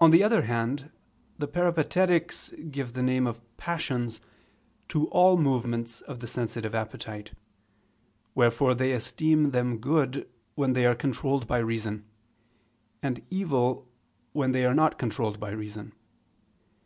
On the other hand, the Peripatetics give the name of "passions" to all the movements of the sensitive appetite. Wherefore they esteem them good, when they are controlled by reason; and evil when they are not controlled by reason.